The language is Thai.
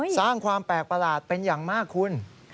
สร้างความแปลกประหลาดเป็นอย่างมากคุณ